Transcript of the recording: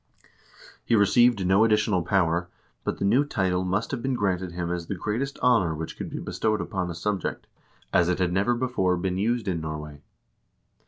He received no additional power, but the new title must have been granted him as the greatest honor which could be bestowed upon a subject, as it had never before been used in Nor way.